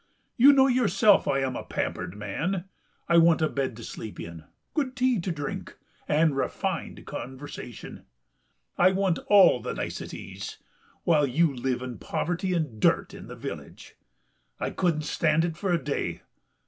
You know yourself I am a pampered man.... I want a bed to sleep in, good tea to drink, and refined conversation.... I want all the niceties, while you live in poverty and dirt in the village.... I couldn't stand it for a day.